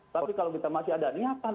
tapi kalau kita masih ada niatan